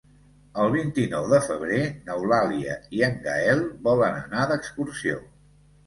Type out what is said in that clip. El vint-i-nou de febrer n'Eulàlia i en Gaël volen anar d'excursió.